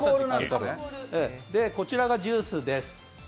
こちらがジュースです。